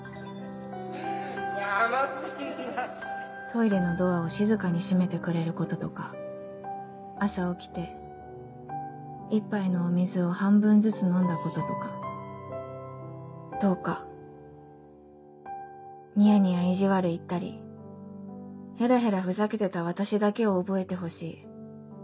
「トイレのドアを静かに閉めてくれることとか朝起きて１杯のお水を半分ずつ飲んだこととかどうかニヤニヤ意地悪言ったりヘラヘラふざけてた私だけを覚えてほしい。